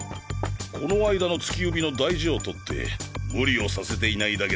この間の突き指の大事を取って無理をさせていないだけだ。